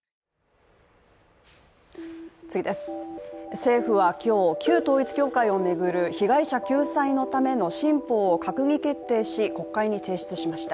政府は今日、旧統一教会を巡る被害者救済のための新法を閣議決定し、国会に提出しました。